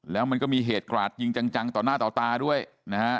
แล้วมันก็มีเหตุกราดยิงจังต่อหน้าต่อตาด้วยนะฮะ